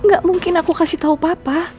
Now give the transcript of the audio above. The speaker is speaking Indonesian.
gak mungkin aku kasih tau papa